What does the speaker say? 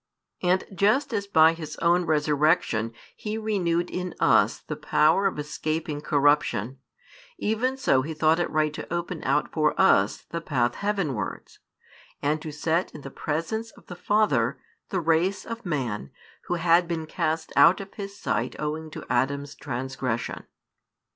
And just as by His own Resurrection He renewed in us the power of escaping corruption, even so He thought it right to open out for us the path heavenwards, and to set in the Presence of the Father the race of man who had been cast out of His sight owing to Adam's transgression.